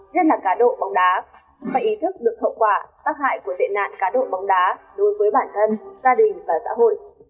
nhất là cá độ bóng đá phải ý thức được hậu quả tác hại của tệ nạn cá độ bóng đá đối với bản thân gia đình và xã hội